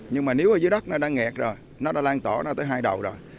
nhưng mà nếu ở dưới đất nó đã nghẹt rồi nó đã lan tỏa nó tới hai đầu rồi